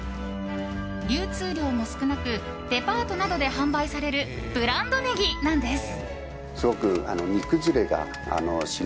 流通量も少なくデパートなどで販売されるブランドネギなんです。